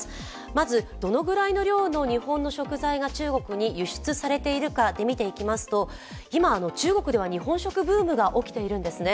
まずどのくらいの量の日本の食材が中国に輸出されているかで見ていきますと、今、中国では日本食ブームが起きているんですね。